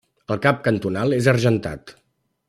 El cap cantonal és Argentat.